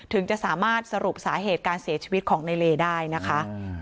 ถึงจะสามารถสรุปสาเหตุการเสียชีวิตของในเลได้นะคะ